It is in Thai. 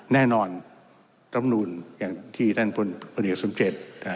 แน่นอนรามรุนที่ท่านบนเอกสมเจต